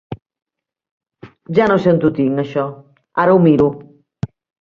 Ja no sé on ho tinc, això, ara ho miro.